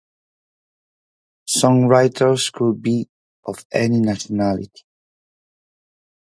Songwriters could be of any nationality.